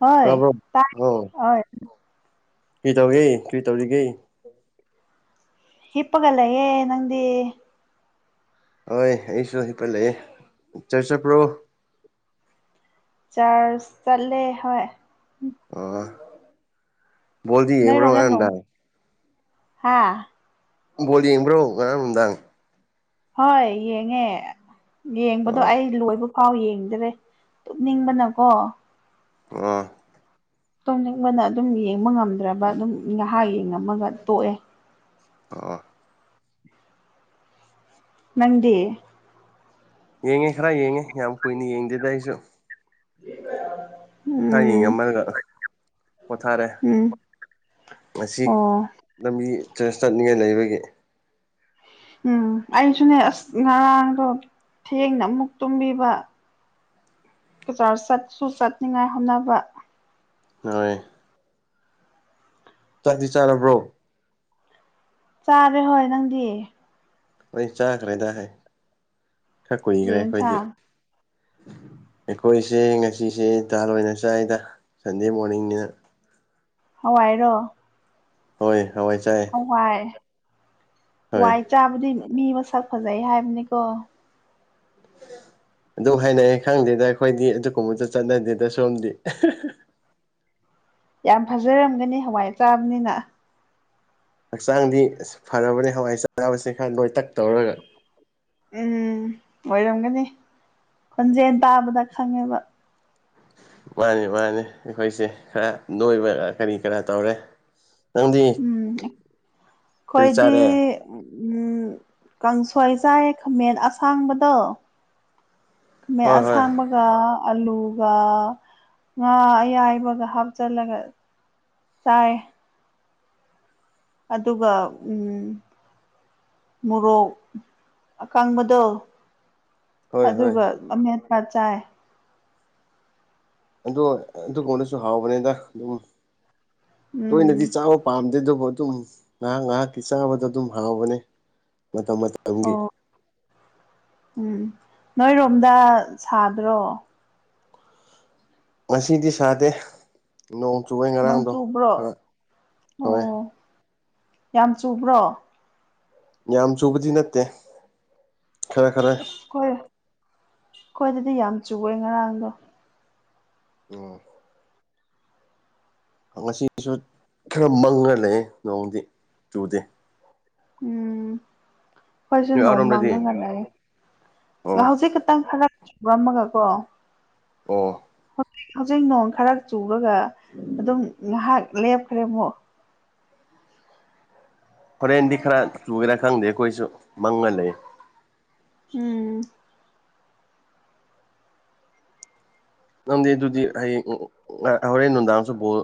ꯍꯣꯏ ꯇꯥꯕ꯭ꯔꯣ [inaudible] ꯑꯣꯏ ꯀ꯭ꯔꯤ ꯗꯧꯒꯦ ꯀ꯭ꯔꯤ ꯇꯧꯔꯤꯒꯦ ꯍꯤꯞꯄꯒ ꯂꯩꯌꯦ ꯅꯪꯗꯤ ꯑꯣꯏ ꯑꯩꯁꯨ ꯍꯤꯞꯄ ꯂꯩꯌꯦ ꯆꯔꯁ ꯆꯠꯄ꯭ꯔꯣ ꯆꯔꯁ ꯆꯠꯂꯦ ꯍꯣꯏ ꯑꯣ ꯕꯣꯜꯗꯤ ꯌꯦꯡꯕ꯭ꯔꯣ ꯅꯣꯏꯔꯣꯝꯗ ꯉꯔꯥꯡ ꯅꯣꯡ ꯅꯨꯡꯗꯥꯡ ꯍꯥ ꯕꯣꯜ ꯌꯦꯡꯕ꯭ꯔꯣ ꯉꯔꯥꯡ ꯅꯨꯡꯗꯥꯡ ꯍꯣꯏ ꯌꯦꯡꯉꯦ ꯌꯦꯡꯕꯗꯣ ꯑꯣ ꯑꯩ ꯂꯣꯏꯕꯨ ꯐꯥꯎ ꯌꯦꯡꯗꯔꯦ ꯇꯨꯝꯅꯤꯡꯕꯅꯀꯣ ꯑꯣ ꯇꯨꯝꯅꯤꯡꯕꯅ ꯑꯗꯨꯝ ꯌꯦꯡꯕ ꯉꯝꯗ꯭ꯔꯕ ꯑꯗꯨꯝ ꯉꯍꯥꯛ ꯌꯦꯡꯉꯝꯃꯒ ꯇꯣꯛꯑꯦ ꯑꯣ ꯅꯪꯗꯤ ꯌꯦꯡꯉꯦ ꯈꯔ ꯌꯦꯡꯉꯦ ꯌꯥꯝ ꯀꯨꯏꯅ ꯌꯦꯡꯗꯦꯗ ꯑꯩꯁꯨ [inaudible] ꯈꯔ ꯌꯦꯡꯉꯝꯃꯒ ꯄꯣꯊꯥꯔꯦ ꯎꯝ ꯉꯁꯤ ꯑꯣ ꯂꯝꯕꯤ ꯆꯔꯁ ꯆꯠꯅꯤꯉꯥꯏ ꯂꯩꯕꯒꯤ ꯎꯝ ꯑꯩꯁꯨꯅꯦ ꯑꯁ ꯉꯔꯥꯡꯗꯣ ꯊꯦꯡꯅ ꯑꯃꯨꯛ ꯇꯨꯝꯕꯤꯕ ꯕꯖꯥꯔ ꯆꯠꯁꯨ ꯆꯠꯅꯤꯡꯉꯥꯏ ꯍꯣꯠꯅꯕ ꯍꯣꯏ ꯆꯥꯛꯇꯤ ꯆꯥꯔꯕ꯭ꯔꯣ ꯆꯥꯔꯦ ꯍꯣꯏ ꯅꯪꯗꯤ ꯑꯩ ꯆꯥꯈ꯭ꯔꯦꯗ ꯍꯩ ꯈꯔ ꯀꯔꯤ ꯀꯨꯏꯈ꯭ꯔꯦ ꯑꯈꯣꯏꯗꯤ ꯌꯦꯟꯁꯥꯡ ꯑꯩꯈꯣꯏꯁꯦ ꯉꯁꯤꯁꯦ ꯇꯥꯜ ꯑꯣꯏꯅ ꯆꯥꯏꯗ ꯁꯟꯗꯦ ꯃꯣꯔꯅꯤꯡꯅꯤꯅ ꯍꯋꯥꯏꯔꯣ ꯍꯣꯏ ꯍꯋꯥꯏ ꯆꯥꯏꯑꯦ ꯋꯥꯏ ꯋꯥꯏ ꯆꯥꯕꯗꯤ ꯃꯤ ꯃꯁꯛ ꯐꯖꯩ ꯍꯥꯏꯕꯅꯤꯀꯣ ꯑꯗꯨ ꯍꯥꯏꯅꯩꯑꯦ ꯈꯪꯗꯦꯗꯥ ꯑꯩꯈꯣꯏꯗꯤ ꯑꯗꯨꯒꯨꯝꯕꯗꯨ ꯆꯠꯅꯗꯦꯗ ꯁꯣꯝꯗꯤ [inaudible] ꯌꯥꯝ ꯐꯖꯔꯝꯒꯅꯤ ꯍꯋꯥꯏ ꯆꯥꯕꯅꯤꯅ ꯍꯛꯆꯥꯡꯗꯤ ꯑꯁ ꯐꯔꯕꯅꯦ ꯍꯋꯥꯏ ꯆꯕꯁꯦ ꯈꯔ ꯅꯣꯏꯇꯛ ꯇꯧꯔꯒ ꯎꯝ ꯑꯣꯏꯔꯝꯒꯅꯤ ꯈꯣꯟꯖꯦꯟ ꯇꯥꯕꯗ ꯈꯪꯉꯦꯕ ꯃꯥꯅꯤ ꯃꯥꯅꯤ ꯑꯩꯈꯣꯏꯁꯦ ꯈꯔ ꯅꯣꯏꯕ ꯀꯔꯤ ꯀꯔꯥ ꯇꯧꯔꯦ ꯅꯪꯗꯤ ꯎꯝ ꯀꯔꯤ ꯑꯩꯈꯣꯏꯗꯤ ꯆꯥꯔꯦ ꯎꯝ ꯀꯥꯡꯁꯣꯏ ꯆꯥꯏ ꯈꯥꯃꯦꯟ ꯑꯁꯥꯡꯕꯗꯣ ꯍꯣꯏ ꯍꯣꯏ ꯈꯃꯦꯟꯑꯁꯥꯡꯕ ꯒ ꯑꯂꯨꯒ ꯉꯥ ꯑꯌꯥꯏꯕꯒ ꯍꯥꯞꯆꯜꯂꯒ ꯆꯥꯏ ꯑꯦ ꯑꯗꯨꯒ ꯎꯝ ꯃꯣꯔꯣꯛ ꯑꯀꯥꯡꯕꯗꯣ ꯍꯣꯏ ꯍꯣꯏ ꯑꯗꯨꯒ ꯑꯃꯦꯠꯄꯥ ꯆꯥꯏ ꯑꯗꯣ ꯑꯗꯨꯒꯨꯝꯕꯅꯁꯨ ꯍꯥꯎꯕꯅꯤꯗ ꯑꯗꯨꯝ ꯎꯝ ꯇꯣꯏꯅꯗꯤ ꯆꯥꯎ ꯄꯥꯝꯗꯦ ꯑꯗꯨꯕꯨ ꯑꯗꯨꯝ ꯉꯥꯏꯍꯥꯛ ꯉꯥꯏꯍꯥꯛꯀꯤ ꯆꯥꯕꯗꯣ ꯑꯗꯨꯝ ꯍꯥꯎꯕꯅꯦ ꯃꯇꯝ ꯃꯇꯝꯒꯤ ꯑꯣ ꯎꯝ ꯅꯣꯏꯔꯣꯝꯗ ꯁꯥꯗ꯭ꯔꯣ ꯉꯁꯤꯗꯤ ꯁꯥꯗꯦ ꯅꯣꯡ ꯆꯨꯢꯌꯦ ꯅꯣꯡ ꯉꯔꯥꯡꯗꯣ ꯈꯔ ꯆꯨꯕ꯭ꯔꯣ ꯐꯥꯑꯦ ꯑꯣ ꯌꯥꯝ ꯆꯨꯕ꯭ꯔꯣ ꯌꯥꯝ ꯆꯨꯕꯗꯤ ꯅꯠꯇꯦ ꯈꯔ ꯈꯔ ꯈꯣꯏ ꯈꯣꯏꯗꯗꯤ ꯌꯥꯝ ꯆꯨꯢꯑꯦ ꯉꯔꯥꯡꯗꯣ [inaudible] [inaudible] ꯉꯁꯤꯁꯨ ꯈꯔ ꯃꯪꯉꯥ ꯂꯩꯑꯦ ꯅꯣꯡꯗꯤ ꯆꯨꯗꯦ ꯎꯝ ꯑꯩꯈꯣꯏꯁꯨ ꯅꯣꯏ ꯅꯣꯡ ꯑꯔꯣꯝꯗꯗꯤ ꯃꯪꯉꯥꯒ ꯂꯩꯑꯦ ꯑꯣ ꯍꯧꯖꯤꯛ ꯈꯤꯇꯪ ꯈꯔ ꯈꯤꯛꯔꯝꯃꯒ ꯀꯣ ꯑꯣ ꯍꯧꯖꯤꯛ ꯍꯧꯖꯤꯛ ꯅꯣꯡ ꯈꯔ ꯆꯨꯔꯒ ꯑꯗꯨꯝ ꯉꯩꯍꯥꯛ ꯂꯦꯞꯈ꯭ꯔꯦ ꯑꯃꯨꯛ ꯍꯣꯔꯦꯟꯗꯤ ꯈꯔ ꯆꯨꯒꯦꯔꯥ ꯈꯪꯗꯦ ꯑꯩꯈꯣꯏꯁꯨ ꯃꯪꯉꯥ ꯂꯩꯌꯦ ꯎꯝ ꯅꯪꯗꯤ ꯑꯗꯨꯗꯤ ꯍꯌꯦꯡ ꯑꯥ ꯍꯣꯔꯦꯟ ꯅꯨꯡꯗꯥꯡꯁꯨ ꯕꯣꯜ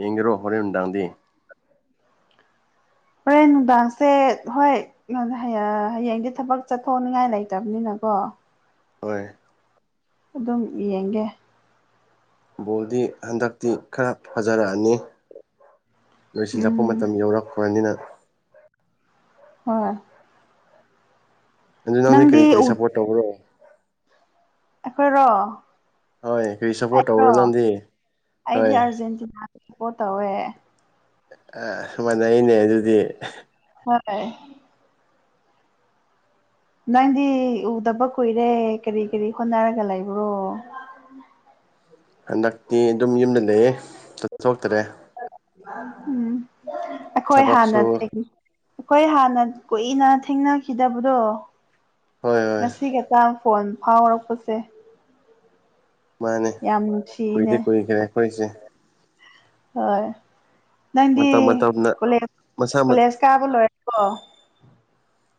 ꯌꯦꯡꯒꯦꯔꯣ ꯍꯣꯔꯦꯟ ꯅꯨꯡꯗꯥꯡꯗꯤ [inaudible] ꯍꯣꯔꯦꯟ ꯅꯨꯡꯗꯥꯡꯁꯦ ꯍꯣꯏ [unintelligible] ꯍꯥꯌꯦꯡꯗꯤ ꯊꯕꯛ ꯆꯠꯊꯣꯛꯅꯤꯡꯉꯥꯏ ꯂꯩꯇꯕꯅꯤꯅꯀꯣ ꯍꯣꯏ ꯑꯗꯨꯝ ꯌꯦꯡꯒꯦ ꯕꯣꯜꯗꯤ ꯍꯟꯗꯛꯇꯤ ꯈꯔ ꯐꯖꯔꯛꯑꯅꯤ ꯂꯣꯏꯁꯤꯜꯂꯛꯄ ꯎꯝ ꯃꯇꯝ ꯃꯇꯝ ꯌꯧꯔꯛ [unintelligible] ꯅꯤꯅ ꯍꯣꯏ ꯑꯗꯨ ꯅꯪꯗꯤ ꯀꯔꯤ ꯀꯔꯤ ꯁꯄꯣꯔꯠ ꯇꯧꯕ꯭ꯔꯣ ꯑꯩꯈꯣꯏꯔꯣ ꯍꯣꯏ ꯀꯔꯤ ꯁꯄꯣꯔꯠ ꯇꯧꯕꯔꯣ ꯅꯪꯗꯤ ꯍꯣꯏ ꯑꯔꯖꯦꯟꯇꯤꯅꯥ [inaudible] [unintelligible] ꯑꯥ ꯃꯥꯟꯅꯩꯅꯦ ꯑꯗꯨꯗꯤ [inaudible] ꯅꯪꯗꯤ ꯎꯗꯕ ꯀꯨꯏꯔꯦ ꯀꯔꯤ ꯀꯔꯤ ꯍꯣꯠꯅꯔꯒ ꯂꯩꯕ꯭ꯔꯣ [unintelligible] ꯍꯟꯗꯛꯇꯤ ꯑꯗꯨꯝ ꯌꯨꯝꯗ ꯂꯩꯌꯦ ꯆꯠꯊꯣꯛꯇꯔꯦ ꯎꯝ ꯑꯩꯈꯣꯏ ꯍꯥꯟꯅ ꯊꯕꯛꯁꯨ ꯊ ꯑꯩꯈꯣꯏ ꯍꯥꯟꯅ ꯀꯨꯏꯅ ꯊꯦꯡꯅꯈꯤꯗꯕꯗꯣ ꯍꯣꯏ ꯍꯣꯏ ꯉꯁꯤ ꯈꯛꯇꯪ ꯐꯣꯟ ꯐꯥꯎꯔꯛꯄꯁꯦ ꯃꯥꯅꯦ ꯌꯥꯝ ꯀꯨꯏꯗꯤ ꯀꯨꯏꯈ꯭ꯔꯦ ꯅꯨꯡꯁꯤꯍ° ꯑꯩꯈꯣꯏꯁꯦ ꯍꯣꯏ ꯅꯪꯗꯤ ꯃꯇꯝ ꯃꯇꯝꯅ ꯀꯣꯂꯦꯖ ꯃꯁꯥ ꯀꯣꯂꯦꯖ ꯀꯥꯕ ꯂꯣꯏꯔꯕꫭ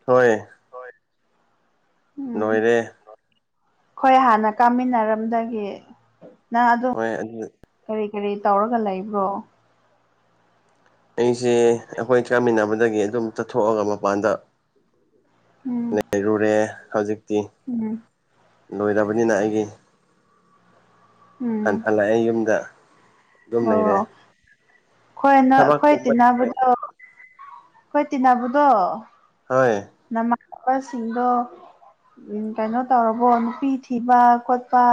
ꯍꯣꯏ ꯍꯣꯏ ꯅꯣꯏꯔꯦ ꯍꯣꯏ ꯍꯥꯟꯅ ꯀꯥꯃꯤꯟꯅꯔꯝꯗꯒꯤ ꯅꯪ ꯑꯗꯨ ꯍꯣꯏ [inaudible] ꯀꯔꯤ ꯀꯔꯤ ꯇꯧꯔꯒ ꯂꯩꯕ꯭ꯔꯣ ꯑꯩꯁꯦ ꯑꯩꯈꯣꯏ ꯆꯥꯃꯤꯟꯅꯕꯗꯒꯤ ꯑꯗꯨꯝ ꯆꯠꯊꯣꯛꯑꯒ ꯃꯄꯥꯟꯗ ꯎꯝ ꯂꯩꯔꯨꯔꯦ ꯍꯧꯖꯤꯛꯇꯤ ꯎꯝ ꯂꯣꯏꯔꯕꯅꯤꯅ ꯑꯩꯒꯤ ꯍꯟ ꯎꯝ ꯍꯜꯂꯥꯛꯑꯦ ꯌꯨꯝꯗ ꯑꯗꯨꯝ ꯂꯩꯔꯦ ꯈꯣꯏ ꯅ ꯑꯩꯈꯣꯏ ꯊꯕꯛꯀꯨꯝꯕ ꯇꯤꯟꯅꯕꯗꯣ ꯈꫭꯏ ꯇꯤꯟꯅꯕꯗꯣ ꯍꯣꯏ ꯅꯃꯥꯟꯅꯕꯁꯤꯡꯗꯣ ꯎ ꯀꯩꯅꯣ ꯇꯧꯔꯕꯣ ꯅꯨꯄꯤ ꯊꯤꯕ ꯈꯣꯠꯄ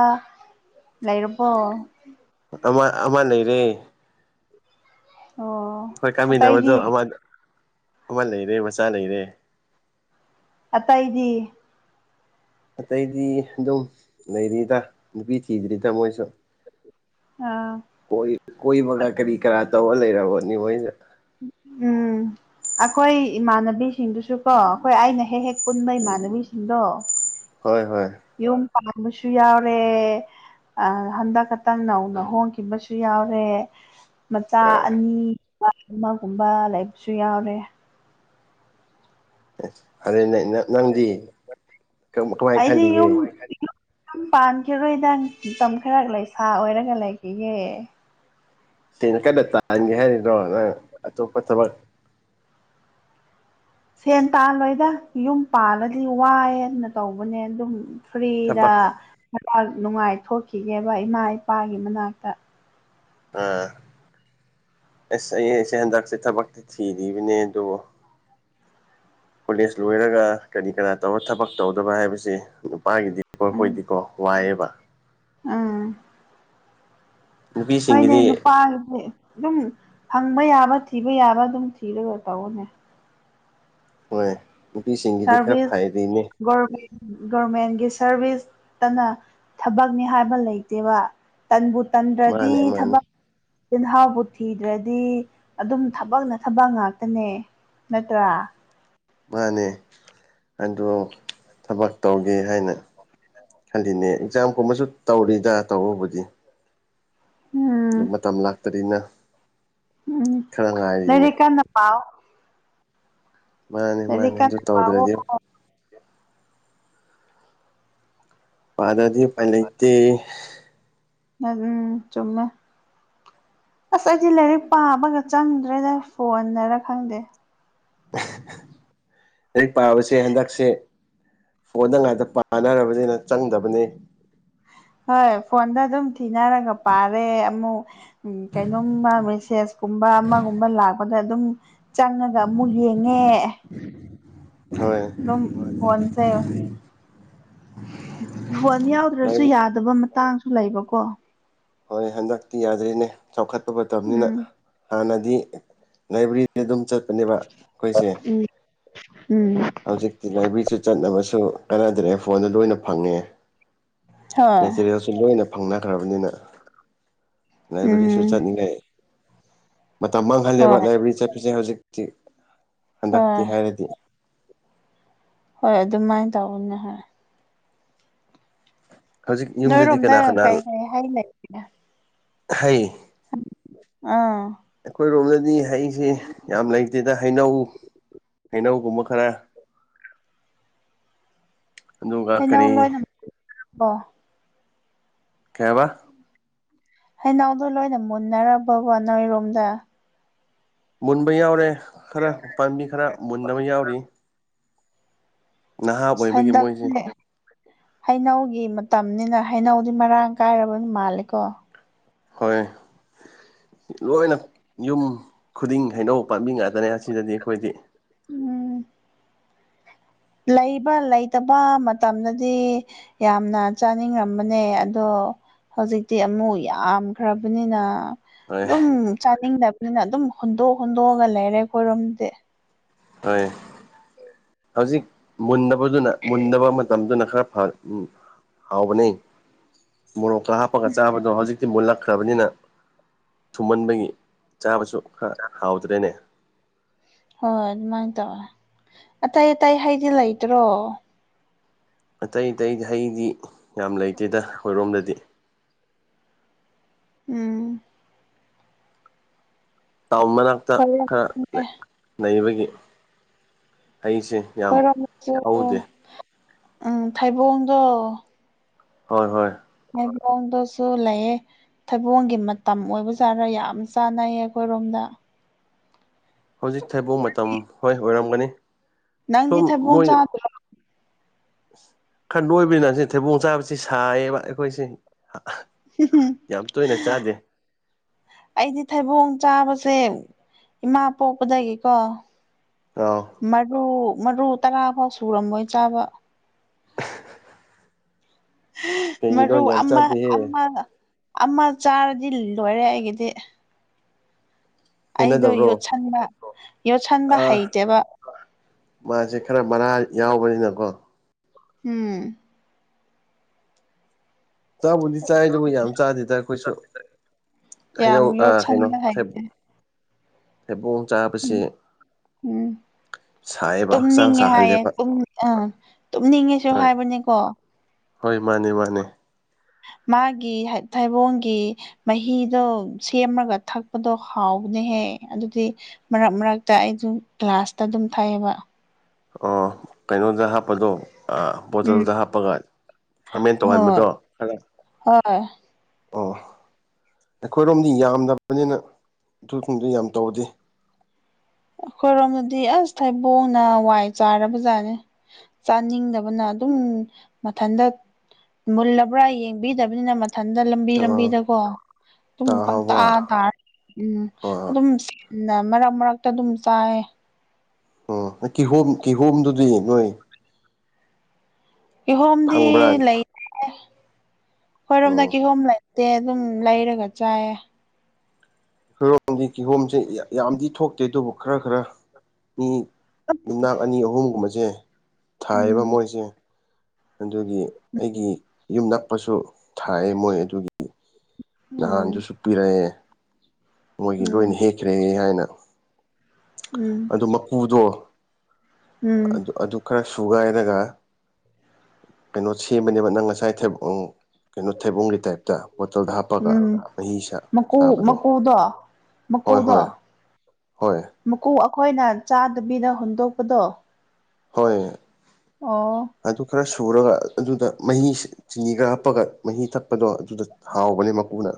ꯂꯩꯔꯕꯣ ꯑꯃ ꯑꯃ ꯂꯩꯔꯦ ꯑꯣ ꯍꯈꯣꯏ ꯀꯥꯃꯤꯟꯅꯕꯗꯣ ꯑꯇꯩꯗꯤ ꯑꯃ ꯑꯃ ꯂꯩꯔꯦ ꯃꯆꯥ ꯂꯩꯔꯦ ꯑꯇꯩꯗꯤ ꯑꯇꯩꯗꯤ ꯑꯗꯨꯝ ꯂꯩꯔꯤꯗ ꯅꯨꯄꯤ ꯊꯤꯗ꯭ꯔꯤꯗ ꯃꯣꯏꯁꯨ ꯑꯥ ꯀꯣꯏ ꯀꯣꯏꯕꯒ ꯀꯔꯤ ꯀꯔꯥ ꯇꯧꯔ ꯂꯩꯔꯕꯅꯤ ꯃꯣꯏꯗ ꯎꯝ ꯑꯩꯈꯣꯏ ꯏꯃꯥꯟꯅꯕꯤꯁꯤꯡꯗꯨꯁꯨꯀꯣ ꯑꯩꯈꯣꯏ ꯑꯩꯅ ꯍꯦꯛ ꯍꯦꯛ ꯄꯨꯟꯕ ꯏꯃꯥꯟꯅꯕꯤꯁꯤꯡꯗꯣ ꯍꯣꯏ ꯍꯣꯏ ꯌꯨꯝ ꯄꯥꯟꯕꯁꯨ ꯌꯥꯎꯔꯦ ꯑꯥ ꯍꯟꯗꯛ ꯈꯛꯇꯪ ꯅꯧꯅ ꯍꯣꯡꯈꯤꯕꯁꯨ ꯌꯥꯎꯔꯦ ꯃꯆꯥ ꯑꯥ ꯑꯅꯤꯒꯨꯝꯕ ꯑꯃꯒꯨꯝꯕ ꯂꯩꯕꯁꯨ ꯌꯥꯎꯔꯦ ꯑꯦ ꯑꯗꯨꯗꯩ ꯅꯪꯗꯤ ꯀꯃꯥꯏ ꯈꯜꯂꯤꯒꯦ ꯌꯨꯝꯄꯥꯟꯈꯤꯔꯣꯏꯗꯪꯡꯥ ꯃꯇꯝ ꯈꯔ ꯂꯩꯁꯥ ꯑꯣꯏꯔꯒ ꯂꯩꯈꯤꯒꯦ ꯁꯦꯟ ꯀꯟꯅꯥ ꯇꯥꯍꯟꯒꯦ ꯍꯥꯏꯔꯤꯅꯣ ꯅꯪ ꯑꯇꯣꯞꯄ ꯊꯕꯛ ꯁꯦꯟ ꯇꯥꯜꯂꯣꯏꯗ ꯌꯨꯝ ꯄꯥꯜꯂꯗꯤ ꯋꯥꯏꯑꯦꯅ ꯇꯧꯕꯅꯦ ꯑꯗꯕꯨ ꯐ꯭ꯔꯤꯗ ꯊꯕꯛ [inaudible] ꯅꯨꯡꯉꯥꯏ ꯊꯣꯛꯈꯤꯒꯦꯕ ꯏꯃꯥ ꯏꯄꯥꯒꯤ ꯃꯅꯥꯛꯇ ꯑꯥ ꯑꯁ ꯑꯩ ꯑꯩꯁꯦ ꯍꯟꯗꯛꯁꯦ ꯊꯕꯛꯇꯤ ꯊꯤꯔꯤꯕꯅꯦ ꯑꯗꯕꯨ ꯀꯣꯂꯦꯖ ꯂꯣꯏꯔꯒ ꯀꯔꯤ ꯀꯔꯥ ꯇꯧꯔ ꯊꯕꯛ ꯇꯧꯗꯕ ꯍꯥꯏꯕꯁꯤ ꯅꯨꯄꯥꯒꯤꯗꯤ ꯍꯣꯏ ꯑꯈꫭꯏꯗꯤꯀꯣ ꯋꯥꯏꯑꯦꯕ ꯑꯥ ꯍꯣꯏꯅꯦ ꯅꯨꯄꯤꯁꯤꯡꯒꯤꯗꯤ ꯅꯨꯄꯥꯒꯤꯗꯤ ꯑꯗꯨꯝ ꯐꯪꯕ ꯌꯥꯕ ꯊꯤꯕ ꯌꯥꯕ ꯑꯗꯨꯝ ꯊꯤꯔꯒ ꯇꯧꯋꯣꯅꯦ ꯍꯣꯏ ꯅꯨꯄꯤꯁꯤꯡꯒꯤꯗꯤ ꯈꯔ ꯁꯥꯔꯚꯤꯁ ꯐꯩꯔꯤꯅꯦ ꯒꯣꯔꯃꯦꯟ ꯒꯣꯔꯃꯦꯟꯒꯤ ꯁꯔꯚꯤꯁꯇꯅ ꯊꯕꯛꯅꯤ ꯍꯥꯏꯕ ꯂꯩꯇꯦꯕ ꯇꯟꯕꯨ ꯇꯟꯗ꯭ꯔꯗꯤ ꯃꯥꯅꯦ ꯃꯥꯅꯦ ꯊꯕꯛ ꯆꯤꯟꯍꯥꯎꯕꯨ ꯊꯤꯗ꯭ꯔꯗꯤ ꯑꯗꯨꯝ ꯊꯕꯛꯅ ꯊꯕꯛ ꯉꯥꯛꯇꯅꯦ ꯅꯠꯇ꯭ꯔꯥ ꯃꯥꯅꯦ ꯑꯗꯣ ꯊꯕꯛ ꯇꯧꯒꯦ ꯍꯥꯏꯅ ꯈꯜꯂꯤꯅꯦ ꯑꯦꯛꯖꯥꯝꯒꯨꯝꯕꯁꯨ ꯇꯧꯔꯤꯗ ꯇꯧꯕꯕꯨꯗꯤ [unintelligible] [unintelligible] ꯃꯇꯝ ꯂꯥꯛꯇ꯭ꯔꯤꯅ ꯎꯝ ꯈꯔ ꯉꯥꯏꯔꯤꯅꯦ ꯂꯥꯏꯔꯤꯛ ꯀꯟꯅ ꯄꯥꯎ ꯃꯥꯅꯦ ꯂꯥꯏꯔꯤꯛ ꯃꯥꯅꯦ ꯑꯗꯨ ꯀꯟꯅ ꯄꯥꯎꯋꯣ ꯇꯧꯗ꯭ꯔꯗꯤ ꯄꯥꯗꯗꯤ ꯎꯄꯥꯏ ꯂꯩꯇꯦ [unintelligible] ꯆꯨꯝꯃꯦ ꯑꯁ ꯑꯩꯗꯤ ꯂꯥꯏꯔꯤꯛ ꯄꯥꯕꯒ ꯆꯪꯗ꯭ꯔꯦꯗ ꯐꯣꯟꯅꯔꯥ ꯈꯪꯗꯦ ꯂꯥꯏꯔꯤꯛ ꯄꯥꯕꯁꯦ ꯍꯟꯗꯛꯁꯦ ꯐꯣꯟꯗ [unintelligible] ꯄꯥꯟꯅꯔꯕꯅꯤꯅ ꯆꯪꯗꯕꯅꯤ ꯍꯣꯏ ꯐꯣꯟꯗ ꯑꯗꯨꯝ ꯊꯤꯅꯔꯒ ꯄꯥꯔꯦ ꯑꯃꯨꯛ ꯎꯝ ꯀꯩꯅꯣꯝꯃ ꯃꯦꯁꯦꯁꯀꯨꯝꯕ ꯑꯃꯒꯨꯝꯕ ꯂꯥꯛꯄꯗ ꯑꯗꯨꯝ ꯆꯪꯉꯒ ꯑꯃꯨꯛ ꯌꯦꯡꯉꯦ ꯍꯣꯏ [unintelligible] ꯐꯣꯟꯁꯦ ꯐꯣꯟ ꯌꯥꯎꯗ꯭ꯔꯁꯨ ꯂꯥꯏꯔꯤꯛ ꯌꯥ [unintelligible] ꯃꯇꯥꯡꯁꯨ ꯂꯩꯕꯀꯣ ꯍꯣꯏ ꯍꯟꯗꯛꯇꯤ ꯌꯥꯗ꯭ꯔꯤꯅꯦ ꯆꯥꯎꯈꯠꯄ ꯃꯇꯝꯅꯤꯅ ꯎꯝ ꯍꯥꯟꯅꯗꯤ ꯂꯥꯏꯕ꯭ꯔꯤ [unintelligible] ꯗꯨꯝ ꯆꯠꯄꯅꯦꯕ ꯑꯩꯈꯣꯏꯁꯦ ꯎꯝ ꯎꯝ ꯍꯧꯖꯤꯛ [unintelligible] ꯂꯥꯏꯕ꯭ꯔꯤꯁꯨ ꯆꯠꯅꯕꯁꯨ ꯀꯥꯟꯅꯗ꯭ꯔꯦ ꯐꯣꯟꯗ ꯂꯣꯏꯅ ꯐꯪꯉꯦ ꯍꯣꯏ [unintelligible] ꯂꯣꯏꯅ ꯐꯪꯅꯈ꯭ꯔꯕꯅꯤꯅ ꯂꯥꯏꯕꯔꯤꯁꯨ ꯎꯝ ꯆꯠꯅꯤꯡꯉꯦ ꯃꯇꯝ ꯍꯣꯏ ꯃꯥꯡꯍꯜꯂꯦꯕ ꯂꯥꯏꯕ꯭ꯔꯤ ꯆꯠꯄꯁꯦ ꯍꯧꯖꯤꯛꯇꯤ ꯍꯣꯏ ꯍꯟꯗꯛꯇꯤ ꯍꯥꯏꯔꯗꯤ ꯍꯣꯏ ꯑꯗꯨꯃꯥꯏꯟ ꯇꯧꯕꯅꯦ ꯍꯣꯏ ꯍꯧꯖꯤꯛ ꯌꯨꯝꯗꯗꯤ ꯅꯣꯏꯔꯣꯝꯗ ꯀꯅꯥ ꯀꯅꯥ ꯀꯩ ꯀꯩ ꯍꯩ ꯂꯩꯒꯦ ꯍꯩ ꯑꯥ ꯑꯩꯈꯣꯏꯔꯣꯝꯗꯗꯤ ꯍꯩꯁꯦ ꯌꯥꯝ ꯂꯩꯇꯦꯗ ꯍꯩꯅꯧ ꯍꯩꯅꯧꯒꯨꯝꯕ ꯈꯔ ꯑꯗꯨꯒ ꯍꯩꯅꯧ ꯀꯔꯤ ꯂꯣꯏꯅ [unintelligible] ꯀꯩꯕ ꯍꯩꯅꯧꯗꯣ ꯂꯣꯏꯅ ꯃꯨꯟꯅꯔꯕꯕꯣ ꯅꯣꯏꯔꯣꯝꯗ ꯃꯨꯟꯕ ꯌꯥꯎꯔꯦ ꯈꯔ ꯄꯥꯝꯕꯤ ꯈꯔ ꯃꯨꯟꯗꯕ ꯌꯥꯎꯔꯤ ꯅꯍꯥ ꯑꯣꯏꯕꯒꯤ ꯃꯣꯏꯁꯦ ꯁꯟꯗꯛꯅꯦ ꯍꯩꯅꯧꯒꯤ ꯃꯇꯝꯅꯤꯅ ꯍꯩꯅꯧꯗꯤ ꯃꯔꯥꯡ ꯀꯥꯏꯔꯕ ꯃꯥꯜꯂꯤꯀꯣ ꯍꯣꯏ ꯂꯣꯏꯅ ꯌꯨꯝ ꯈꯨꯗꯤꯡ ꯍꯩꯅꯧ ꯄꯥꯝꯕꯤ ꯉꯥꯛꯇꯅꯦ ꯑꯁꯤꯗꯗꯤ ꯑꯩꯈꯣꯏꯗꯤ ꯎꯝ ꯂꯩꯕ ꯂꯩꯇꯕ ꯃꯇꯝꯗꯗꯤ ꯌꯥꯝꯅ ꯆꯥꯅꯤꯡꯉꯝꯕꯅꯦ ꯑꯗꯣ ꯍꯧꯖꯤꯛꯇꯤ ꯑꯃꯨꯛ ꯌꯥꯝꯈ꯭ꯔꯕꯅꯤꯅ ꯍꯣꯏ ꯑꯗꯨꯝ ꯆꯥꯅꯤꯡꯗꯕꯅꯤꯅ ꯑꯗꯨꯝ ꯍꯨꯟꯗꯣꯛ ꯍꯨꯟꯗꯣꯛꯑꯒ ꯂꯩꯔꯦ ꯑꯩꯈꯣꯏꯔꯣꯝꯗꯤ ꯇꯥꯏꯌꯦ ꯍꯧꯖꯤꯛ ꯃꯨꯟꯗꯕꯗꯨꯅ ꯃꯨꯟꯗꯕ ꯃꯇꯝꯗꯨꯅ ꯈꯔ ꯐꯔꯦ ꯎꯝ ꯍꯥꯎꯕꯅꯦ ꯃꯣꯔꯣꯛꯀ ꯍꯥꯞꯄꯒ ꯆꯥꯕꯗꯣ ꯍꯧꯖꯤꯛꯇꯤ ꯃꯨꯜꯂꯛꯈ꯭ꯔꯕꯅꯤꯅ ꯊꯨꯝꯃꯟꯕꯒꯤ ꯆꯥꯕꯁꯨ ꯈꯔ ꯍꯥꯎꯇꯔ꯭ꯦꯅꯦ ꯍꯣꯏ ꯑꯗꯨꯃꯥꯏꯅ ꯇꯧꯋꯦ ꯑꯇꯩ ꯑꯇꯩ ꯍꯩꯗꯤ ꯂꯩꯇ꯭ꯔꯣ ꯑꯇꯩ ꯑꯇꯩꯗꯤ ꯍꯩꯗꯤ ꯌꯥꯝ ꯂꯩꯇꯦꯗ ꯑꯈꯣꯏꯔꯣꯝꯗꯗꯤ ꯎꯝ ꯇꯥꯎꯟ ꯃꯅꯥꯛꯇ ꯈꯣꯏꯔꯣꯝ ꯈꯔ ꯂꯩꯕꯒꯤ ꯍꯩꯁꯦ ꯑꯈꯣꯏꯔꯣꯝꯗꯁꯨ ꯎꯝ ꯊꯩꯕꯣꯡꯗꯣ ꯍꯣꯏ ꯍꯣꯏ ꯗꯁꯨ ꯂꯩꯌꯦ ꯊꯩꯕꯣꯡꯒꯤ ꯃꯇꯝ ꯑꯣꯏꯕꯖꯥꯔ ꯌꯥꯝ ꯆꯥꯅꯩ ꯑꯩꯈꯣꯏꯔꯣꯝꯗ ꯍꯧꯖꯤꯛ ꯊꯩꯕꯣꯡ ꯃꯇꯝ ꯍꯣꯏ ꯑꯣꯏꯔꯝꯒꯅꯤ ꯅꯪꯗꯤ ꯁꯨꯝ ꯊꯩꯕꯣꯡ ꯃꯣꯏ ꯆꯥꯗ꯭ꯔꯣ ꯈꯔ ꯅꯣꯏꯕꯅꯤꯅ ꯑꯁꯤ ꯊꯩꯕꯣꯡ ꯆꯥꯕꯁꯤ ꯁꯥꯏꯌꯦꯕ ꯑꯩꯈꯣꯏꯁꯦ ꯌꯥꯝ ꯇꯣꯏꯅ ꯆꯥꯗꯦ ꯑꯩꯗꯤ ꯊꯩꯕꯣꯡ ꯆꯥꯕꯁꯦ ꯏꯃꯥ ꯄꯣꯛꯄꯗꯒꯤꯀꯣ [unintelligible] ꯃꯔꯨ ꯃꯔꯨ ꯇꯔꯥ ꯐꯥꯎ ꯁꯨꯔꯝꯃꯣꯏ ꯆꯥꯕ ꯀꯩꯒꯤꯅꯣ ꯃꯔꯨ ꯌꯥꯝ ꯑꯃ ꯆꯥꯗꯦꯍꯦ ꯑꯃ ꯑꯃ ꯆꯥꯔꯗꯤ ꯂꯣꯏꯔꯦ ꯑꯩꯒꯤꯗꯤ ꯑꯩꯗꯣ ꯍꯩꯅꯗꯕ꯭ꯔꯣ ꯌꯣꯠꯁꯟꯕ ꯌꯣꯠꯁꯟꯕ ꯑꯥ ꯍꯩꯇꯦꯕ ꯃꯥꯁꯦ ꯈꯔ ꯃꯅꯥ ꯌꯥꯎꯕꯅꯤꯅꯀꯣ ꯎꯝ ꯆꯕꯨꯗꯤ ꯆꯥꯏ ꯑꯗꯨꯕꯨ ꯌꯥꯝ ꯆꯥꯗꯦꯗ ꯑꯈꯣꯏꯁꯨ ꯌꯥꯝ ꯍꯩꯅꯧ ꯑꯥ ꯀꯩꯅꯣ ꯌꯣꯠꯁꯟꯕ ꯍꯩꯇꯦ ꯊꯩꯕꯣꯡ ꯊꯩꯕꯣꯡ ꯆꯥꯕꯁꯦ ꯎꯝ ꯎꯝ ꯁꯥꯏꯌꯦꯕ ꯍꯛꯆꯥꯡ ꯇꯨꯝꯅꯤꯡꯉꯦ ꯍꯥꯏꯌꯦ ꯁꯥꯍꯜꯂꯦꯕ ꯇꯨꯝ ꯑꯥ ꯇꯨꯝꯅꯤꯡꯉꯦꯁꯨ ꯍꯣꯏ ꯍꯥꯏꯕꯅꯦꯀꯣ ꯍꯣꯏ ꯃꯥꯅꯦ ꯃꯥꯅꯦ ꯃꯥꯒꯤ ꯊꯩꯕꯣꯡꯒꯤ ꯃꯍꯤꯗꯣ ꯁꯦꯝꯔꯒ ꯊꯛꯄꯗꯣ ꯍꯥꯎꯕꯅꯦꯍꯦ ꯑꯗꯨꯗꯤ ꯃꯔꯛ ꯃꯔꯛꯇ ꯑꯩꯁꯨ ꯀ꯭ꯂꯥꯁꯇ ꯑꯗꯨꯝ ꯊꯛꯑꯦꯕ ꯑꯣ ꯀꯩꯅꯣꯗ ꯍꯥꯞꯄꯗꯣ ꯑꯥ ꯎꯝ ꯕꯣꯇꯜꯗ ꯍꯥꯞꯄꯒ ꯐꯥꯔꯃꯦꯟ ꯍꯣꯏ ꯇꯧꯍꯟꯕꯗꯣ ꯈꯔ ꯍꯣꯏ ꯑꯣ ꯑꯩꯈꯣꯏꯔꯣꯝꯗꯤ ꯌꯥꯝꯗꯕꯅꯤꯅ ꯑꯗꯨꯒꯨꯝꯕꯗꯣ ꯌꯥꯝ ꯇꯧꯗꯦ ꯑꯩꯈꯣꯏꯔꯣꯝꯗꯗꯤ ꯑꯁ ꯊꯩꯕꯣꯡꯅ ꯋꯥꯏ ꯆꯥꯏꯔꯕ ꯖꯥꯠꯅꯦ ꯆꯥꯅꯤꯡꯗꯕꯅ ꯑꯗꯨꯝ ꯃꯊꯟꯇ ꯃꯨꯜꯂꯕ꯭ꯔꯥ ꯌꯦꯡꯕꯤꯗꯕꯅꯤꯅ ꯏꯊꯟꯇ ꯂꯝꯕꯤ ꯑ ꯂꯝꯕꯤꯗꯀꯣ ꯑꯗꯨꯨꯝ ꯄꯪꯇ ꯇꯥꯍꯥꯎꯕ ꯇꯥꯔ ꯎꯝ ꯑ ꯑꯗꯨꯝ ꯃꯔꯛ ꯃꯔꯛꯇ ꯑꯗꯨꯝ ꯆꯥꯏꯌꯦ ꯑꯣ ꯀꯤꯍꯣꯝ ꯀꯤꯍꯣꯝꯗꯨꯗꯤ ꯅꯣꯏ ꯀꯤꯍꯣꯝꯗꯤ ꯐꯪꯕ꯭ꯔꯥ ꯂꯩꯇꯦ ꯑꯈꯣꯏꯔꯣꯝꯗ ꯑꯣ ꯀꯤꯍꯣꯝ ꯂꯩ ꯇꯦ ꯑꯗꯨꯝ ꯂꯩꯔꯒ ꯆꯥꯏꯌꯦ ꯈꯔꯣꯝꯗꯤ ꯀꯤꯍꯣꯝꯁꯦ ꯌꯥꯝꯗꯤ ꯊꯣꯛꯇꯦ ꯑꯗꯨꯕꯨ ꯈꯔ ꯈꯔ ꯃꯤ ꯌꯨꯝꯅꯥꯛ ꯑꯅꯤ ꯑꯍꯨꯝꯒꯨꯝꯕꯁꯦ ꯊꯥꯏꯌꯦꯕ ꯎꯝ ꯃꯣꯏꯁꯦ ꯑꯗꯨꯒꯤ ꯑꯩꯒꯤ ꯌꯨꯝ ꯅꯛꯄꯁꯨ ꯊꯥꯏꯑꯦ ꯃꯣꯏ ꯑꯗꯨꯒꯤ ꯎꯝ ꯅꯍꯥꯟꯗꯨꯁꯨ ꯄꯤꯔꯛꯑꯦ ꯃꯣꯏꯒꯤ ꯎꯝ ꯂꯣꯏꯅ ꯍꯦꯛꯈ꯭ꯔꯦ ꯍꯥꯏꯅ ꯎꯝ ꯑꯗꯨ ꯃꯀꯨꯗꯣ ꯎꯝ ꯑꯗꯨ ꯑꯗꯨ ꯈꯔ ꯁꯨꯒꯥꯏꯔꯒ ꯀꯩꯅꯣ ꯁꯦꯝꯕꯅꯦꯕ ꯅꯪ ꯉꯁꯥꯏ ꯊꯩ ꯎꯝ ꯀꯩꯅꯣ ꯊꯩꯕ‌ꯣꯡꯒꯤ ꯇꯥꯏꯞꯇ ꯕꯣꯇꯜꯗ ꯍꯥꯞꯄꯒ ꯎꯝ ꯃꯍꯤ ꯁꯥ ꯃꯀꯨ ꯁꯥꯕꯗꯣ ꯃꯀꯨꯗꯣ ꯍꯣꯏ ꯃꯀꯨꯗꯣ ꯍꯣꯏ ꯍꯣꯏ ꯃꯀꯨ ꯑꯩꯈꯣꯏꯅ ꯆꯥꯗꯕꯤꯗ ꯍꯨꯟꯗꯣꯛꯄꯗꯣ ꯍꯣꯏ ꯑꯣ ꯑꯗꯨ ꯈꯔ ꯁꯨꯔꯒ ꯑꯗꯨꯗ ꯃꯍꯤ ꯁꯤ ꯆꯤꯅꯤꯒ ꯍꯥꯞꯄꯒ ꯃꯍꯤ ꯊꯛꯄꯗꯣ ꯑꯗꯨꯗ ꯍꯥꯎꯕꯅꯦ ꯃꯀꯨꯅ